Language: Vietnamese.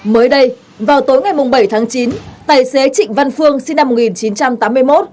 mới đây vào tối ngày bảy tháng chín tài xế trịnh văn phương sinh năm một nghìn chín trăm tám mươi một